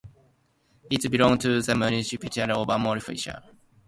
It belongs to the municipality of Amfilochia.